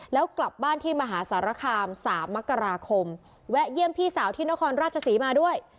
แล้วกลับบ้านที่มหาสารคาม๓มกราคมแวะเยี่ยมพี่สาวที่นครราชศรีมาด้วย